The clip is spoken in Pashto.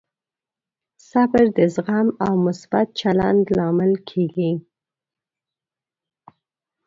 صبر د زغم او مثبت چلند لامل کېږي.